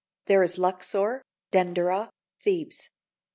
There is Luxor, Dendereh, Thebes.